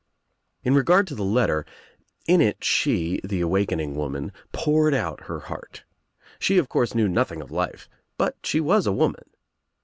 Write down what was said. "In regard to the letter. In It she, the awakening woman, poured out her heart. She of course knew nothing of life, but she was a woman.